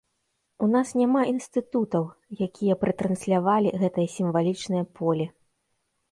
У нас няма інстытутаў, якія б рэтранслявалі гэтае сімвалічнае поле.